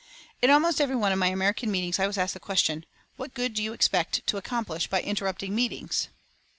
In almost every one of my American meetings I was asked the question, "What good do you expect to accomplish by interrupting meetings?"